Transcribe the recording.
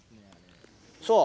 そう。